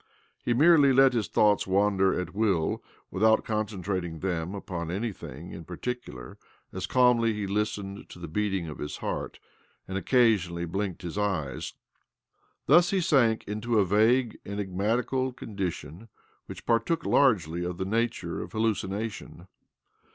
He merely let his thoughts wander at will, without con centrating them upon anything in particular as calmly he listened to the beating of his heart and occasionally blinked his eyes, ■Thus he sank into a vague, enigmatical condition which partook largely of the naturq, of hallucination.